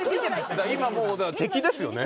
今もうだから敵ですよね。